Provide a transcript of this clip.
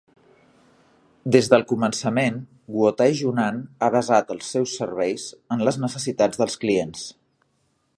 Des del començament, Guotai Junan ha basat els seus serveis en les necessitats dels clients.